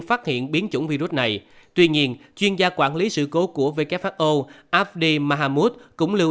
phát hiện biến chủng virus này tuy nhiên chuyên gia quản lý sự cố của who abd mahamos cũng lưu